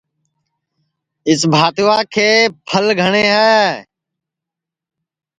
اِس بھاتوا کے پَھل گھٹؔے ہے